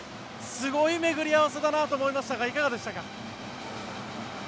すごい巡り合わせだなと思いましたがいかがでしたか？